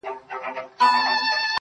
پر وظیفه عسکر ولاړ دی تلاوت کوي.